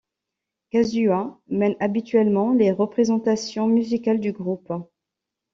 Kazuya mène habituellement les représentations musicales du groupe.